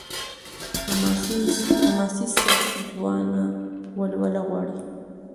حماسي سبک ځوانه ولوله غواړي.